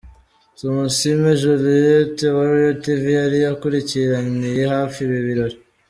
Tumusiime Juliet wa Royal Tv yari akurikiraniye hafi ibi birori.